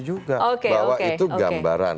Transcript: juga bahwa itu gambaran